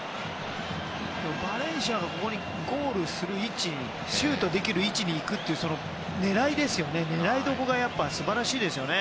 バレンシアがここで、ゴールする位置シュートできる位置に行くという狙いどころが素晴らしいですよね。